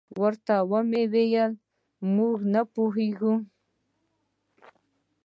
ورته مې وویل: موږ نه پوهېږو.